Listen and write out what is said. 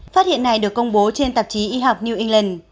phát hiện này được công bố trên tạp chí y học new england